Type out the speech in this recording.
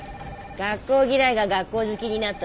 学校嫌いが学校好きになったとか。